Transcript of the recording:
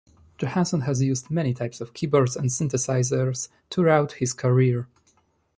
Johansson has used many types of keyboards and synthesizers throughout his career.